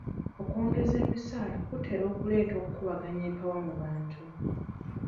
Okwongeza emisaala kutera okuleeta okubaganya empawa mu bantu.